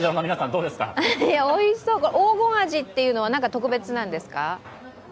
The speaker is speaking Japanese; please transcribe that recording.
おいしそう黄金アジっていうのは何か特別なんですか？